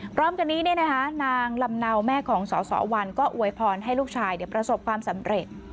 พร้อมกันนี้นางลำเนาแม่ของสสวันก็อวยพรให้ลูกชายประสบความสำเร็จ